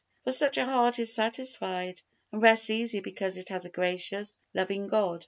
For such a heart is satisfied and rests easy because it has a gracious, loving God.